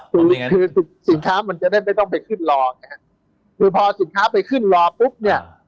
คือคือสินค้ามันจะได้ไม่ต้องไปขึ้นรอไงฮะคือพอสินค้าไปขึ้นรอปุ๊บเนี่ย